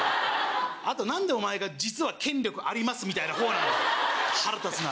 あと何でお前が実は権力ありますみたいな方なんだ腹立つな。